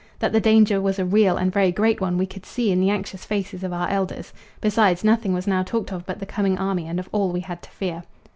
That the danger was a real and very great one we could see in the anxious faces of our elders; besides, nothing was now talked of but the coming army and of all we had to fear.